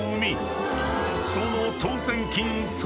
［その］